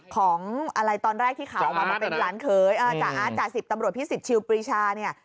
ของอะไรตอนแรกที่เขาออกมาเป็นหลานเคยจ่าอาจจ่าสิบตำรวจพี่สิบชิวปริชาเนี่ย